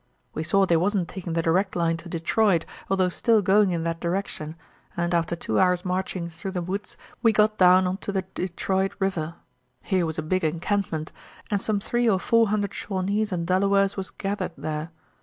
We saw they wasn't taking the direct line to Detroit, although still going in that direction, and after two hours' marching through the woods we got down on to the Detroit River. Here was a big encampment, and some three or four hundred Shawnees and Delawares was gathered here.